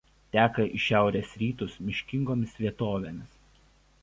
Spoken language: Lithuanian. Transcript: Teka į šiaurės rytus miškingomis vietovėmis.